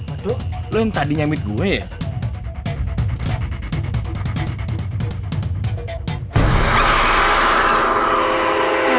aduh lu yang tadi nyamit gue ya